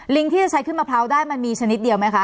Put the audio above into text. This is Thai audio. ที่จะใช้ขึ้นมะพร้าวได้มันมีชนิดเดียวไหมคะ